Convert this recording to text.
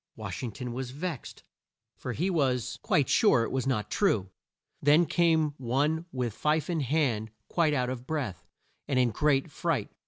Wash ing ton was vexed, for he was quite sure it was not true. Then up came one with fife in hand, quite out of breath, and in great fright.